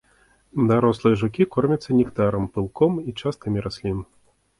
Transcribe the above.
Дарослыя жукі кормяцца нектарам, пылком, і часткамі раслін.